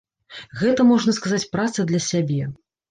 Гэта, можна сказаць, праца для сябе.